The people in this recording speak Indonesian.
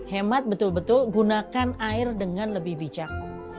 hemat betul betul gunakan air dengan lebih bijak